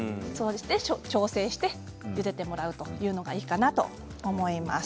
調整してゆでてもらうというのがいいかなと思います。